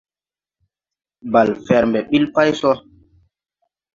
Bale fɛr mbɛ ɓil pay so.